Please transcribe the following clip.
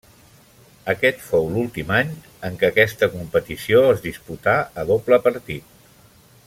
Aquest fou l'últim any en què aquesta competició es disputà a doble partit.